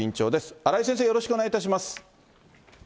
荒井先生、よろしくお願いいたします。